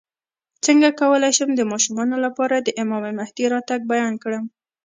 څنګه کولی شم د ماشومانو لپاره د امام مهدي راتګ بیان کړم